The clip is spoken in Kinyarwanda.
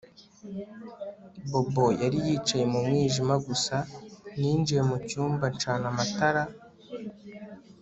Bobo yari yicaye mu mwijima gusa ninjiye mucyumba ncana amatara